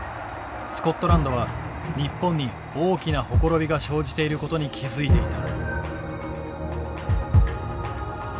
スコットランドは日本に大きな綻びが生じていることに気付いていた。